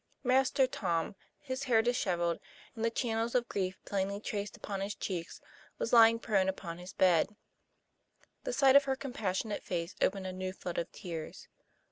Master Tom, his hair di shevelled, and the channels of grief plainly traced upon his cheeks, was lying prone upon his bed. The sight of her compassionate face opened a new flood of tears.